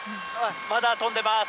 まだ飛んでまーす。